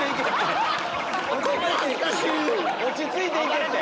落ち着いて行けって！